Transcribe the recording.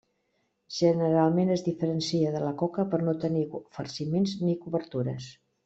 Generalment es diferencia de la coca per no tenir farciments ni cobertures.